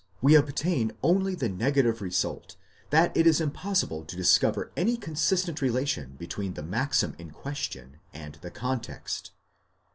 379 obtain only the negative result, that it is impossible to discover any consistent. relation between the maxim in question and the context.